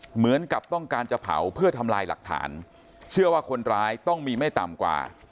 เหมือนกับต้องการจะเผาเพื่อทำลายหลักฐานเชื่อว่าคนร้ายต้องมีไม่ต่ำกว่า